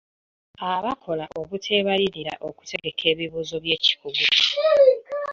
Abaakola obuteebalirira okutegeka ebibuuzo eby’ekikugu.